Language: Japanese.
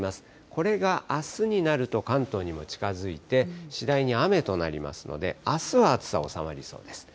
これがあすになると関東にも近づいて、次第に雨となりますので、あすは暑さ、収まりそうです。